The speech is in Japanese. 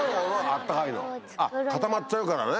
あっ固まっちゃうからね。